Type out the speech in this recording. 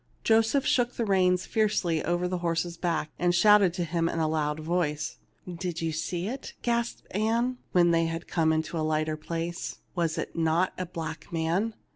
Joseph shook the reins fiercely over the horse's back, and shouted to him in a loud voice. " Did you see it ?" gasped Ann, when they had come into a lighter place. " Was it not a black man